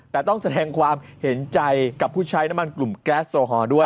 แต่ต้องแสดงความเห็นใจกับผู้ใช้น้ำมันกลุ่มแก๊สโรฮอลด้วย